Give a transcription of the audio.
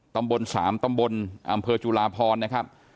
ตำบล๓ตำบลอำเภอจุลาพรนะครับ